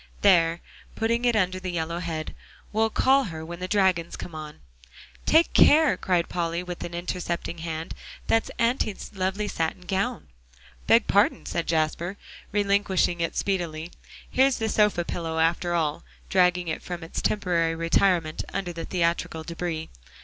"There," putting it under the yellow head, "we'll call her when the dragons come on." "Take care," cried Polly, with intercepting hand, "that's Auntie's lovely satin gown." "Beg pardon," said Jasper, relinquishing it speedily. "Here's the sofa pillow, after all," dragging it from its temporary retirement under the theatrical debris.